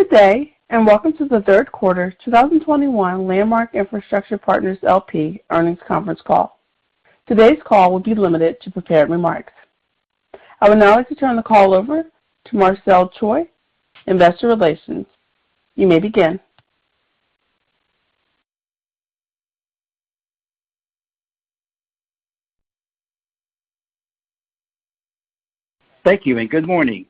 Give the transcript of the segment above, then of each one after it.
Good day, and welcome to the third quarter 2021 Landmark Infrastructure Partners LP earnings conference call. Today's call will be limited to prepared remarks. I would now like to turn the call over to Marcelo Choi, Investor Relations. You may begin. Thank you, and good morning.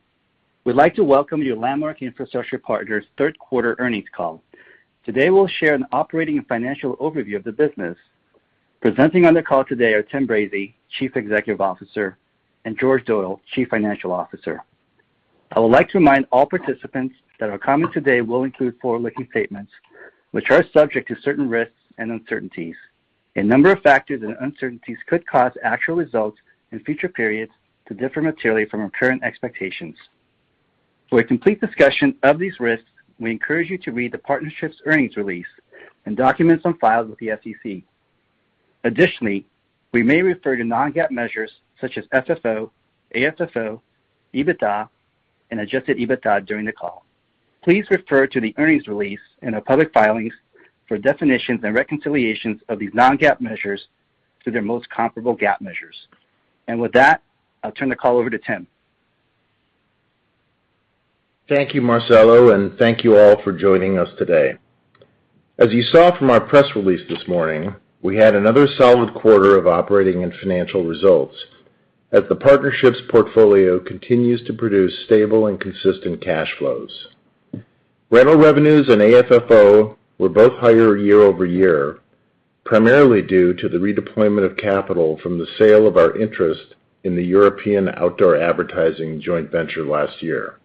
We'd like to welcome you to Landmark Infrastructure Partners' third quarter earnings call. Today, we'll share an operating and financial overview of the business. Presenting on the call today are Tim Brazy, Chief Executive Officer, and George Doyle, Chief Financial Officer. I would like to remind all participants that our comments today will include forward-looking statements which are subject to certain risks and uncertainties. A number of factors and uncertainties could cause actual results in future periods to differ materially from our current expectations. For a complete discussion of these risks, we encourage you to read the partnership's earnings release and documents on file with the SEC. Additionally, we may refer to non-GAAP measures such as FFO, AFFO, EBITDA, and Adjusted EBITDA during the call. Please refer to the earnings release in our public filings for definitions and reconciliations of these non-GAAP measures to their most comparable GAAP measures. With that, I'll turn the call over to Tim. Thank you, Marcelo, and thank you all for joining us today. As you saw from our press release this morning, we had another solid quarter of operating and financial results as the partnership's portfolio continues to produce stable and consistent cash flows. Rental revenues and AFFO were both higher year-over-year, primarily due to the redeployment of capital from the sale of our interest in the European Outdoor Advertising joint venture last year.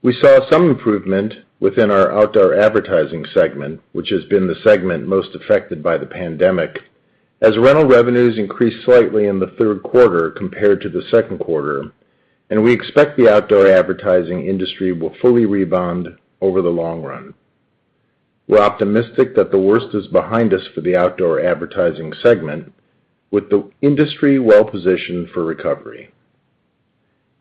We saw some improvement within our outdoor advertising segment, which has been the segment most affected by the pandemic, as rental revenues increased slightly in the third quarter compared to the second quarter, and we expect the outdoor advertising industry will fully rebound over the long run. We're optimistic that the worst is behind us for the outdoor advertising segment, with the industry well-positioned for recovery.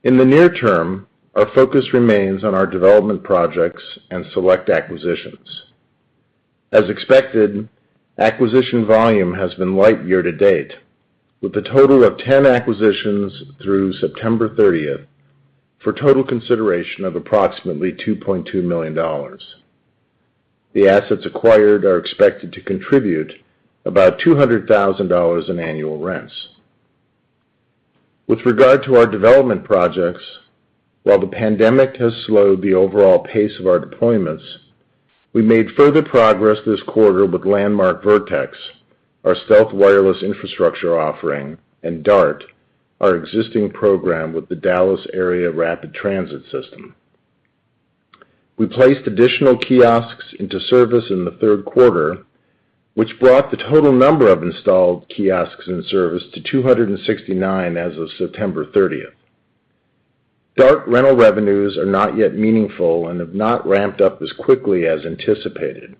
In the near term, our focus remains on our development projects and select acquisitions. As expected, acquisition volume has been light year to date, with a total of 10 acquisitions through September 30th for total consideration of approximately $2.2 million. The assets acquired are expected to contribute about $200,000 in annual rents. With regard to our development projects, while the pandemic has slowed the overall pace of our deployments, we made further progress this quarter with Landmark Vertex, our stealth wireless infrastructure offering, and DART, our existing program with the Dallas Area Rapid Transit system. We placed additional kiosks into service in the third quarter, which brought the total number of installed kiosks in service to 269 as of September 30th. DART rental revenues are not yet meaningful and have not ramped up as quickly as anticipated.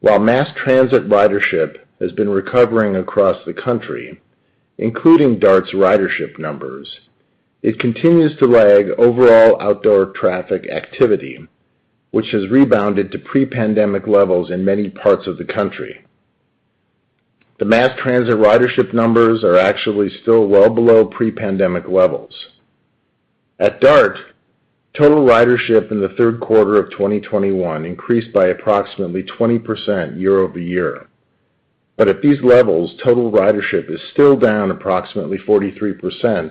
While mass transit ridership has been recovering across the country, including DART's ridership numbers, it continues to lag overall outdoor traffic activity, which has rebounded to pre-pandemic levels in many parts of the country. The mass transit ridership numbers are actually still well below pre-pandemic levels. At DART, total ridership in the third quarter of 2021 increased by approximately 20% year-over-year. At these levels, total ridership is still down approximately 43%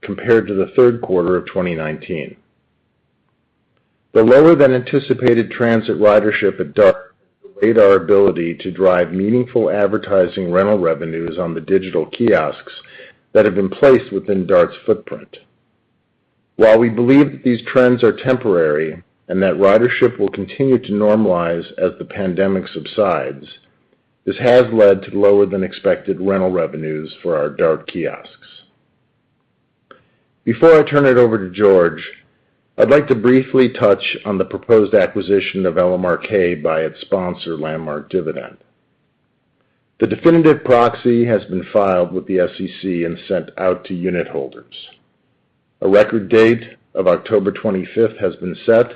compared to the third quarter of 2019. The lower than anticipated transit ridership at DART delayed our ability to drive meaningful advertising rental revenues on the digital kiosks that have been placed within DART's footprint. While we believe these trends are temporary and that ridership will continue to normalize as the pandemic subsides, this has led to lower than expected rental revenues for our DART kiosks. Before I turn it over to George, I'd like to briefly touch on the proposed acquisition of LMRK by its sponsor, Landmark Dividend. The definitive proxy has been filed with the SEC and sent out to unitholders. A record date of October 25th has been set,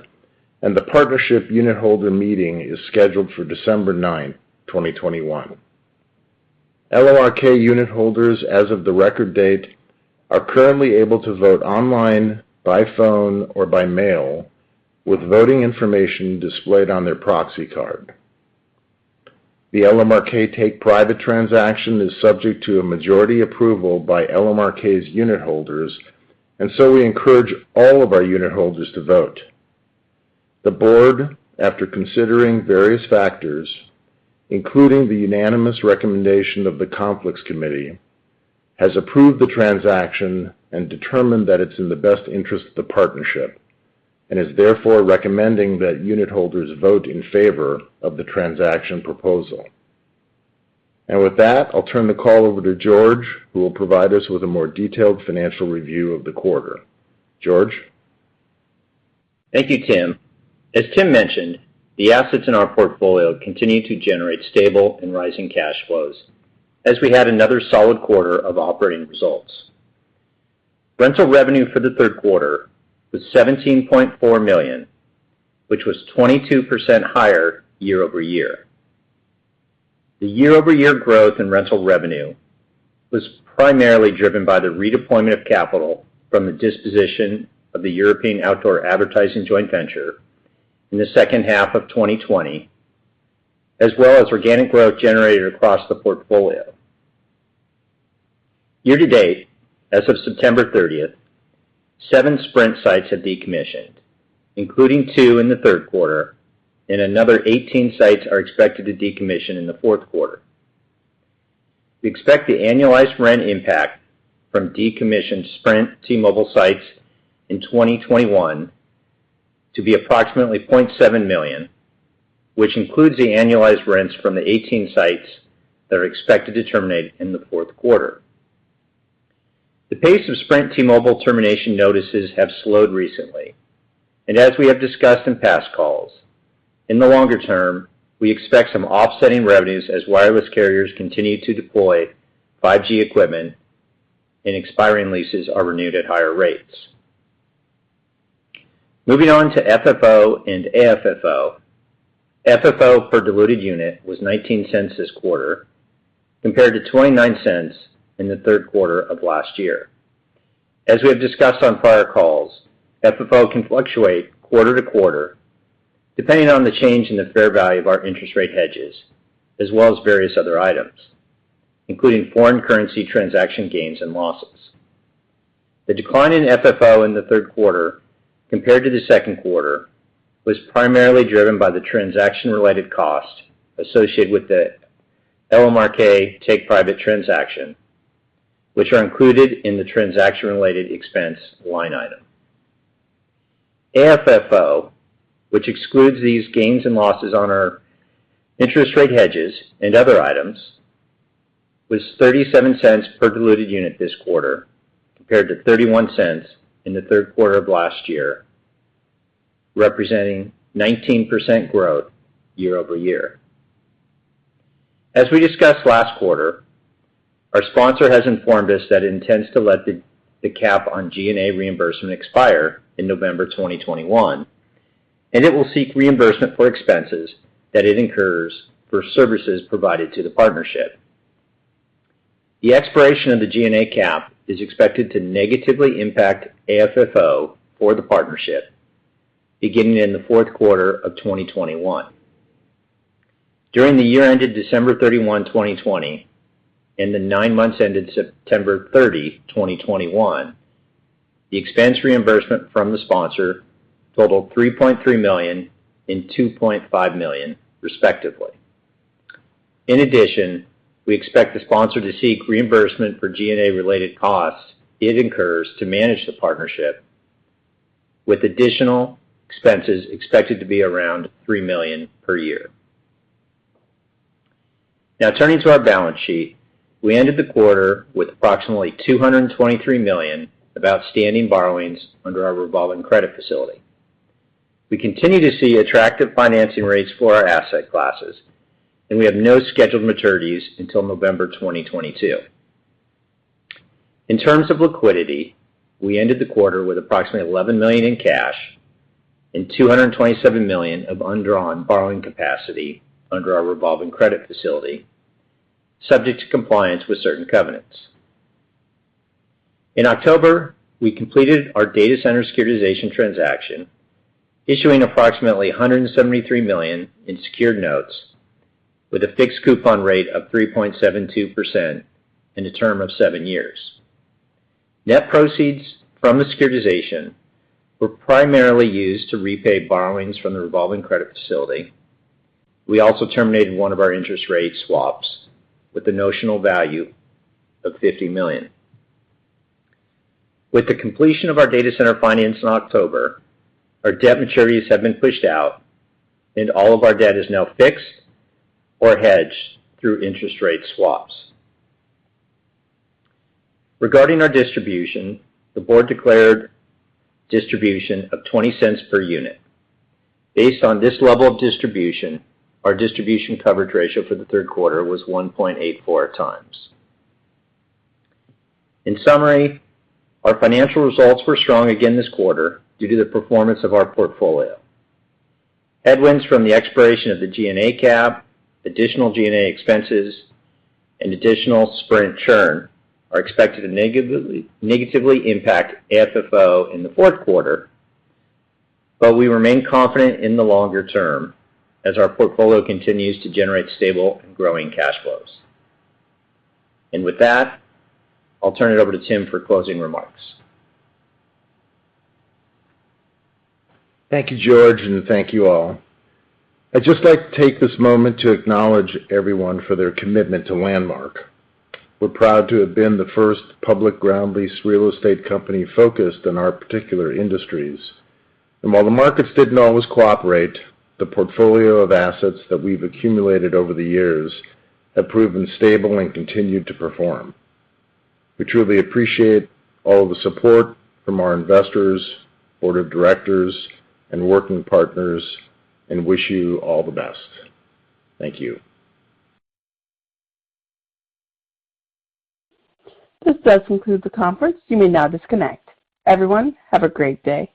and the partnership unitholder meeting is scheduled for December 9th, 2021. LMRK unitholders as of the record date are currently able to vote online, by phone, or by mail, with voting information displayed on their proxy card. The LMRK take-private transaction is subject to a majority approval by LMRK's unitholders, and so we encourage all of our unitholders to vote. The board, after considering various factors, including the unanimous recommendation of the Conflicts Committee, has approved the transaction and determined that it's in the best interest of the partnership and is therefore recommending that unitholders vote in favor of the transaction proposal. With that, I'll turn the call over to George, who will provide us with a more detailed financial review of the quarter. George? Thank you, Tim. As Tim mentioned, the assets in our portfolio continue to generate stable and rising cash flows. As we had another solid quarter of operating results. Rental revenue for the third quarter was $17.4 million, which was 22% higher year-over-year. The year-over-year growth in rental revenue was primarily driven by the redeployment of capital from the disposition of the European Outdoor Advertising joint venture in the second half of 2020, as well as organic growth generated across the portfolio. Year to date, as of September 30th, seven Sprint sites have decommissioned, including two in the third quarter, and another 18 sites are expected to decommission in the fourth quarter. We expect the annualized rent impact from decommissioned Sprint T-Mobile sites in 2021 to be approximately $0.7 million, which includes the annualized rents from the 18 sites that are expected to terminate in the fourth quarter. The pace of Sprint T-Mobile termination notices have slowed recently. As we have discussed in past calls, in the longer term, we expect some offsetting revenues as wireless carriers continue to deploy 5G equipment and expiring leases are renewed at higher rates. Moving on to FFO and AFFO. FFO per diluted unit was $0.19 this quarter, compared to $0.29 in the third quarter of last year. As we have discussed on prior calls, FFO can fluctuate quarter to quarter depending on the change in the fair value of our interest rate hedges as well as various other items, including foreign currency transaction gains and losses. The decline in FFO in the third quarter compared to the second quarter was primarily driven by the transaction-related cost associated with the LMRK take-private transaction, which are included in the transaction-related expense line item. AFFO, which excludes these gains and losses on our interest rate hedges and other items, was $0.37 per diluted unit this quarter, compared to $0.31 in the third quarter of last year, representing 19% growth year-over-year. As we discussed last quarter, our sponsor has informed us that it intends to let the cap on G&A reimbursement expire in November 2021, and it will seek reimbursement for expenses that it incurs for services provided to the partnership. The expiration of the G&A cap is expected to negatively impact AFFO for the partnership beginning in the fourth quarter of 2021. During the year ended December 31, 2020, and the nine months ended September 30, 2021, the expense reimbursement from the sponsor totaled $3.3 million and $2.5 million respectively. In addition, we expect the sponsor to seek reimbursement for G&A-related costs it incurs to manage the partnership with additional expenses expected to be around $3 million per year. Now turning to our balance sheet. We ended the quarter with approximately $223 million of outstanding borrowings under our revolving credit facility. We continue to see attractive financing rates for our asset classes, and we have no scheduled maturities until November 2022. In terms of liquidity, we ended the quarter with approximately $11 million in cash and $227 million of undrawn borrowing capacity under our revolving credit facility, subject to compliance with certain covenants. In October, we completed our data center securitization transaction, issuing approximately $173 million in secured notes with a fixed coupon rate of 3.72% and a term of seven years. Net proceeds from the securitization were primarily used to repay borrowings from the revolving credit facility. We also terminated one of our interest rate swaps with a notional value of $50 million. With the completion of our data center finance in October, our debt maturities have been pushed out and all of our debt is now fixed or hedged through interest rate swaps. Regarding our distribution, the board declared distribution of $0.20 per unit. Based on this level of distribution, our distribution coverage ratio for the third quarter was 1.84x. In summary, our financial results were strong again this quarter due to the performance of our portfolio. Headwinds from the expiration of the G&A cap, additional G&A expenses, and additional Sprint churn are expected to negatively impact AFFO in the fourth quarter. We remain confident in the longer term as our portfolio continues to generate stable and growing cash flows. With that, I'll turn it over to Tim for closing remarks. Thank you, George, and thank you all. I'd just like to take this moment to acknowledge everyone for their commitment to Landmark. We're proud to have been the first public ground lease real estate company focused in our particular industries. While the markets didn't always cooperate, the portfolio of assets that we've accumulated over the years have proven stable and continued to perform. We truly appreciate all the support from our investors, board of directors, and working partners and wish you all the best. Thank you. This does conclude the conference. You may now disconnect. Everyone, have a great day.